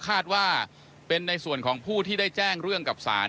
คาดว่าเป็นในส่วนของผู้ที่ได้แจ้งเรื่องกับศาล